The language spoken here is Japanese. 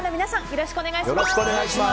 よろしくお願いします。